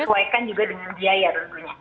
sesuaikan juga dengan biaya tentunya